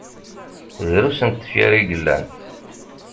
Drus n tefyar i yellan.